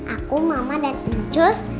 aku mama dan jus